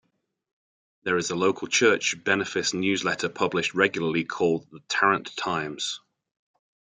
There is a local church benefice newsletter published regularly called the Tarrant Times.